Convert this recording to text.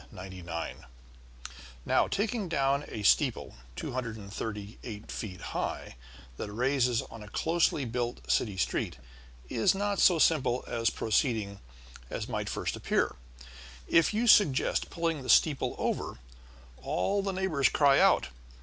Now, the taking down of a steeple two hundred and thirty eight feet high, that rises on a closely built city street, is not so simple a proceeding as might at first appear. If you suggest pulling the steeple over, all the neighbors cry out.